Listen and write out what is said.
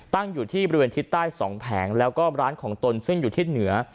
อยู่ที่บริเวณทิศใต้๒แผงแล้วก็ร้านของตนซึ่งอยู่ที่เหนือ